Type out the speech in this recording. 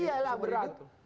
iya lah berat